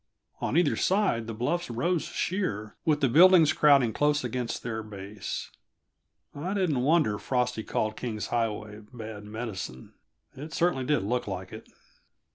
On either side the bluffs rose sheer, with the buildings crowding close against their base. I didn't wonder Frosty called King's Highway "bad medicine." It certainly did look like it.